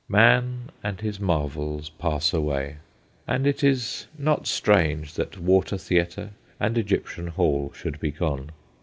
Man and his marvels pass away, and it is not strange that Water Theatre and Egyp tian Hall should be gone.